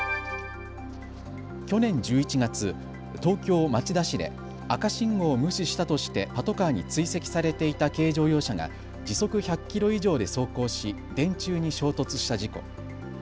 去年１１月、東京町田市で赤信号を無視したとしてパトカーに追跡されていた軽乗用車が時速１００キロ以上で走行し、電柱に衝突した事故。